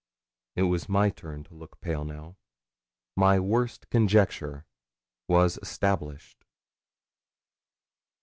It was my turn to look pale now. My worst conjecture was established.